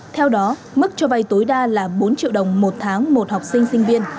theo đó mức cho vay tối đa là bốn triệu đồng một tháng một học sinh sinh viên